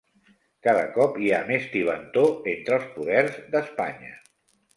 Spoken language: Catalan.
Cada cop hi ha més tibantor entre els poders d'Espanya